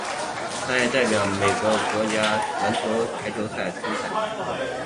他也代表美国国家男子排球队参赛。